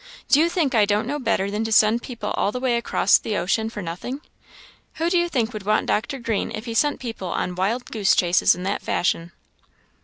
Do you think I don't know better than to send people all the way across the ocean for nothing? Who do you think would want Dr. Green if he sent people on wild goose chases in that fashion?"